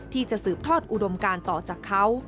ที่จะสืบทอดอุดมการต่อจากเขา